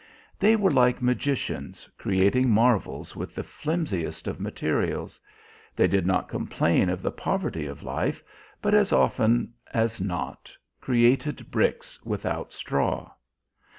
They were like magicians creating marvels with the flimsiest of materials; they did not complain of the poverty of life, but as often as not created bricks without straw.